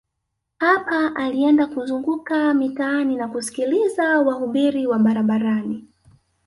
Hapa alienda kuzunguka mitaani na kusikiliza wahubiri wa barabarani